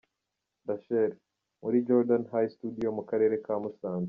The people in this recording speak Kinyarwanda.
Rachel: Muri Jordan High Studio mu karere ka Musanze.